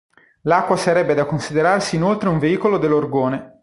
L'acqua sarebbe da considerarsi inoltre un veicolo dell'orgone.